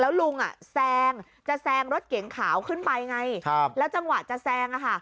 แล้วลุงแซงจะแซงรถเก๋งขาวขึ้นไปไงแล้วจังหวะจะแซงอะค่ะ